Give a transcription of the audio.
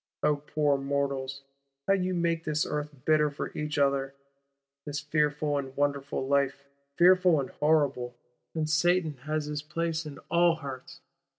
O poor mortals, how ye make this Earth bitter for each other; this fearful and wonderful Life fearful and horrible; and Satan has his place in all hearts!